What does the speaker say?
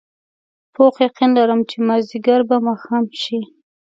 پوخ یقین لرم چې مازدیګر به ماښام شي.